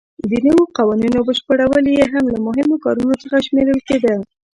د نویو قوانینو بشپړول یې هم له مهمو کارونو څخه شمېرل کېده.